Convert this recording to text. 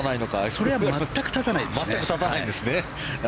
それは全く立たないですね。